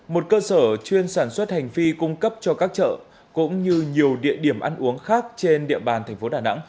một cơ sở chuyên sản xuất hành phi cung cấp cho các chợ cũng như nhiều địa điểm ăn uống khác trên địa bàn tp hcm